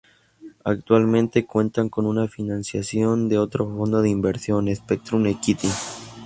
Actualmente cuentan con financiación de otro fondo de inversión, Spectrum Equity.